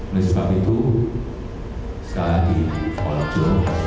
oleh sebab itu sekali lagi voluco